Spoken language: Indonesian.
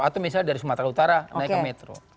atau misalnya dari sumatera utara naik ke metro